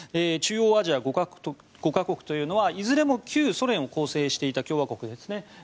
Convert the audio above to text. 中央アジア５か国というのはいずれも旧ソ連を構成していた共和国ですね。